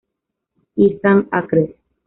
Ethan Acres.